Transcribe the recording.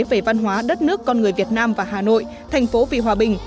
về văn hóa đất nước con người việt nam và hà nội thành phố vì hòa bình